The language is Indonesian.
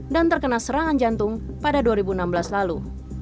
dan terkena serangan jantung pada dua ribu enam belas lalu